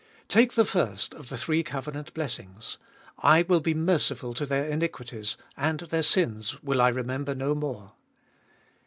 Take the first of the three covenant blessings : I will be merciful to their iniquities, and their sins will I remember no more.